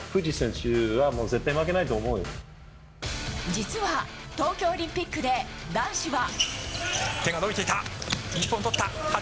実は、東京オリンピックで男子は。